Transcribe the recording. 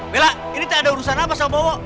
bella ini tak ada urusan apa sama bowo